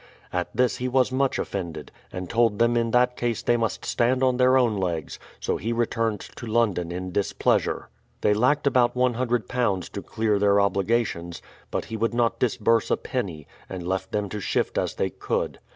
At this he was much offended, and told them in that case they must stand on their own legs ; so he returned to London in displeasure. They lacked about iioo to clear their obligations; but he would not dis burse a penny, and left them to shift as they could.